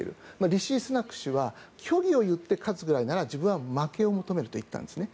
リシ・スナク氏は虚偽を言って勝つぐらいなら自分は負けを認めると言ったんですね。